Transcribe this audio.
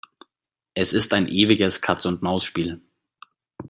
Es ist ein ewiges Katz-und-Maus-Spiel.